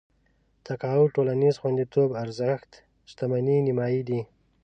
تقاعد ټولنيز خونديتوب ارزښت شتمنۍ نيمايي دي.